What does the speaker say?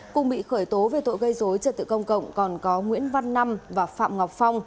cùng bị khởi tố về tội gây dối trật tự công cộng còn có nguyễn văn năm và phạm ngọc phong